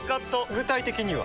具体的には？